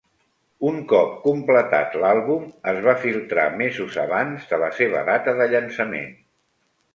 Un cop completat l'àlbum, es va filtrar mesos abans de la seva data de llançament.